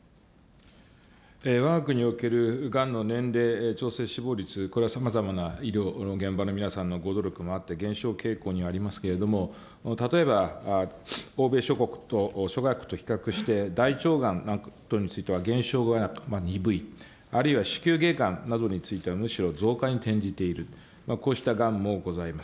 わが国におけるがんの年齢、死亡率、これはさまざまな医療現場の皆さんのご努力もあって減少傾向にありますけれども、例えば欧米諸国と、諸外国と比較して、大腸がん等については減少が鈍い、あるいは子宮けいがんなどについては、むしろ増加に転じている、こうしたがんもございます。